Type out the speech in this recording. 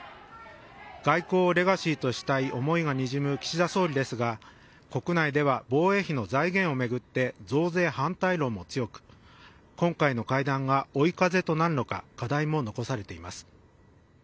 外交をレガシーとしたい思いがにじむ岸田総理ですが国内では防衛費の財源を巡って増税反対論も強く今回の会談が追い風となるのか課題も残されています。